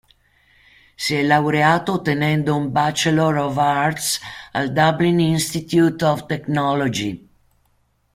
Si è laureato ottenendo un Bachelor of Arts al Dublin Institute of Technology.